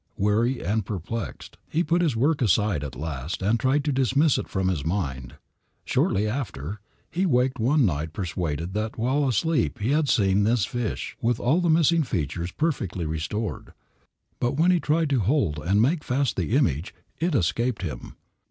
Weary and perplexed, he put his work aside at last, and tried to dismiss it from his mind. Shortly after, he waked one night persuaded that while asleep he had seen his fish with all the missing features perfectly restored. But when he tried to hold and make fast the image it escaped him.